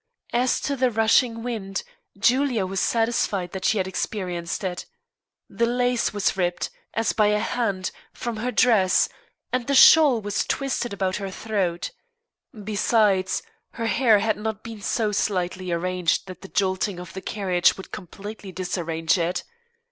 As to the rushing wind, Julia was satisfied that she had experienced it. The lace was ripped, as by a hand, from her dress, and the shawl was twisted about her throat; besides, her hair had not been so slightly arranged that the jolting of the carnage would completely disarrange it.